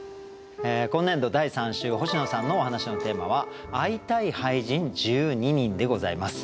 今年度第３週星野さんのお話のテーマは「会いたい俳人、１２人」でございます。